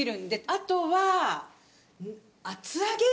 あとは厚揚げ。